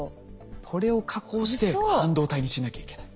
これを加工して半導体にしなきゃいけない。